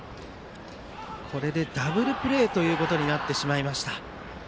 これでダブルプレーとなってしまいました。